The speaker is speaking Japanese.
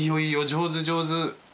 上手上手。